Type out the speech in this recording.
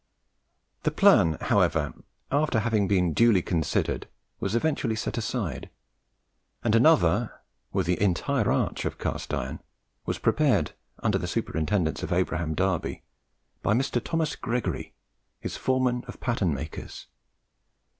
The plan, however, after having been duly considered, was eventually set aside, and another, with the entire arch of cast iron, was prepared under the superintendence of Abraham Darby, by Mr. Thomas Gregory, his foreman of pattern makers.